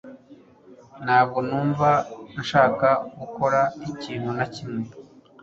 Ntabwo numva nshaka gukora ikintu na kimwe